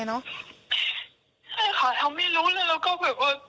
เยอะอีก๓๒๔